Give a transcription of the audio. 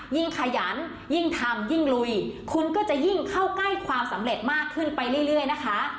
ขยันยิ่งทำยิ่งลุยคุณก็จะยิ่งเข้าใกล้ความสำเร็จมากขึ้นไปเรื่อยนะคะ